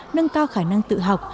nâng cao khả năng tự học